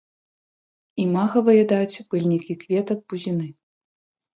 Імага выядаюць пыльнікі кветак бузіны.